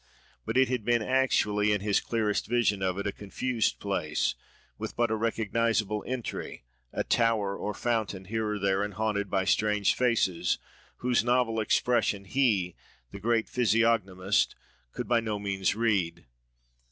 But it had been actually, in his clearest vision of it, a confused place, with but a recognisable entry, a tower or fountain, here or there, and haunted by strange faces, whose novel expression he, the great physiognomist, could by no means read.